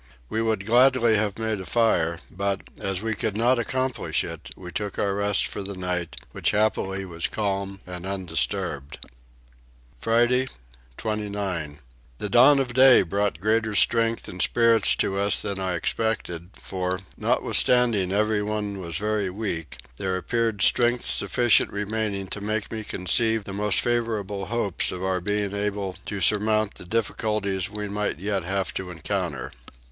We would gladly have made a fire but, as we could not accomplish it, we took our rest for the night, which happily was calm and undisturbed. Friday 29. The dawn of day brought greater strength and spirits to us than I expected for, notwithstanding everyone was very weak, there appeared strength sufficient remaining to make me conceive the most favourable hopes of our being able to surmount the difficulties we might yet have to encounter.